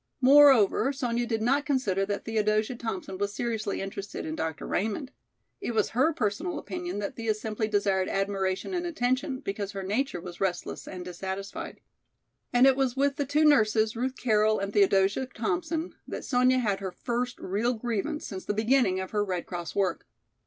Moreover, Sonya did not consider that Theodosia Thompson was seriously interested in Dr. Raymond. It was her personal opinion that Thea simply desired admiration and attention, because her nature was restless and dissatisfied. And it was with the two nurses, Ruth Carroll and Theodosia Thompson, that Sonya had her first real grievance since the beginning of her Red Cross work.